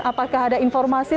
apakah ada informasi